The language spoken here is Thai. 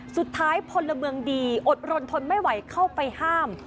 พลเมืองดีอดรนทนไม่ไหวเข้าไปห้าม